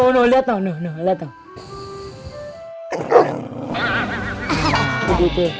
loh lihat lihat